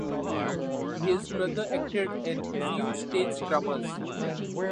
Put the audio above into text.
His brother acted in few stage dramas.